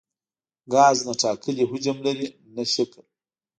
ګاز نه ټاکلی حجم لري نه شکل.